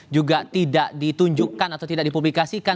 juga tidak ditunjukkan atau tidak dipublikasikan